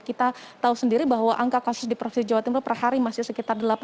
kita tahu sendiri bahwa angka kasus di provinsi jawa timur per hari masih sekitar delapan